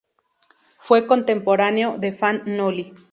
Fue contemporáneo de Fan Noli.